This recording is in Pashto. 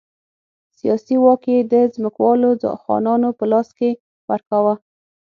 سیاسي واک یې د ځمکوالو خانانو په لاس کې ورکاوه.